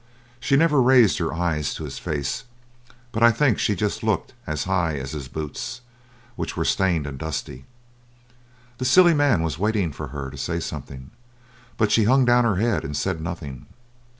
She never raised her eyes to his face, but I think she just looked as high as his boots, which were stained and dusty. The silly man was waiting for her to say something; but she hung down her head, and said nothing.